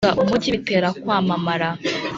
gushinga umugi bitera kwamamara,